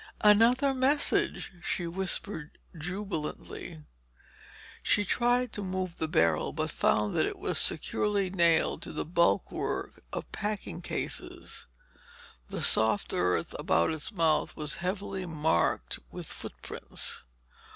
"Another message!" she whispered jubilantly. She tried to move the barrel but found that it was securely nailed to the bulwark of packing cases. The soft earth about its mouth was heavily marked with footprints.